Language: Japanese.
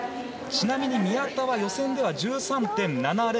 ちなみに宮田は予選では１３．７００。